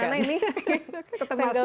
mas menteri bagaimana ini